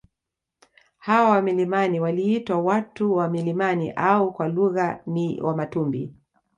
Hawa wa milimani waliitwa watu wa milimani au kwa lugha ni wamatumbi